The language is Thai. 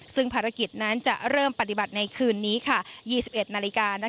ซึ่งภารกิจนั้นจะเริ่มปฏิบัติในคืนนี้๒๑นาฬิกา